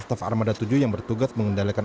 staff armada tujuh yang bertugas mengendalikan